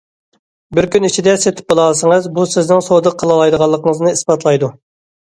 بىر كۈن ئىچىدە سېتىپ بولالىسىڭىز، بۇ سىزنىڭ سودا قىلالايدىغانلىقىڭىزنى ئىسپاتلايدۇ.